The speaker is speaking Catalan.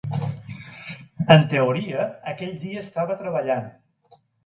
En teoria, aquell dia estava treballant.